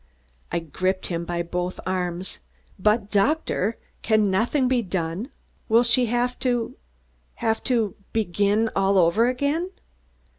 I gripped him by both arms. "But, Doctor, can nothing be done? Will she have to have to begin all over again?"